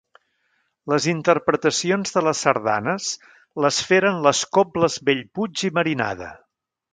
Les interpretacions de les sardanes les feren les cobles Bellpuig i Marinada.